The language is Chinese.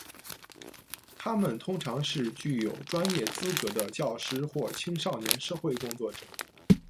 他们通常是具有专业资格的教师或青少年社会工作者。